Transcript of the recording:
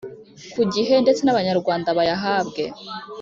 ku gihe ndetse n’Abanyarwanda bayahabwe